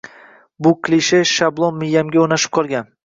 bu klishe, shablon miyamga o‘rnashib qolgan?